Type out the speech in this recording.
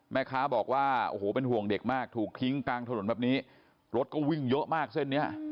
แม่ค้าบอกว่าเป็นห่วงเด็กมากถูกทิ้งกลางถนนแบบนี้